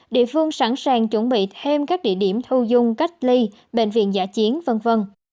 địa phương sẵn sàng chuẩn bị thêm các địa điểm thu dung cách ly bệnh viện giả chiến v v